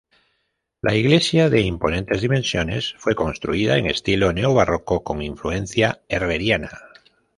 La iglesia, de imponentes dimensiones, fue construida en estilo neobarroco, con influencia herreriana.